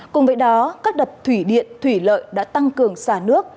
cùng với đó các đập thủy điện thủy lợi đã tăng cường xả nước